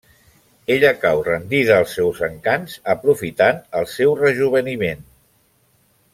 Ella cau rendida als seus encants aprofitant el seu rejoveniment.